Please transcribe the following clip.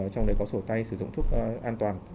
trong đấy có sổ tay sử dụng thuốc an toàn